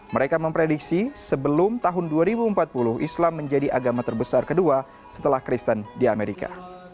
mereka memprediksi sebelum tahun dua ribu empat puluh islam menjadi agama terbesar kedua setelah kristen di amerika